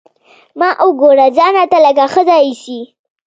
ما وګوره ځان راته لکه ښځه ايسي.